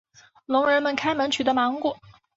聋人开门取得芒果。